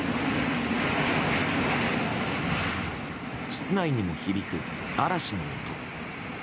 室内にも響く嵐の音。